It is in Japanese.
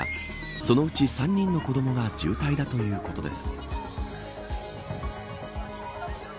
そのうち３人の子どもが重体だということです。